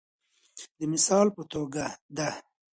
د مثال په توګه د